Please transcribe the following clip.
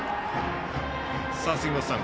さあ杉本さん